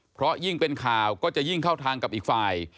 เพราะยิ่งเป็นข่าวก็จะยิ่งเข้าทางกับอีกฝ่าย